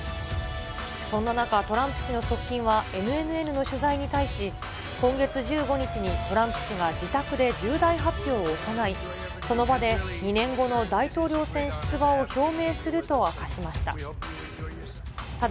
そんな中、トランプ氏の側近はＮＮＮの取材に対し、今月１５日にトランプ氏が自宅で重大発表を行い、その場で２年後の大統領選出馬を表明すると明かしました。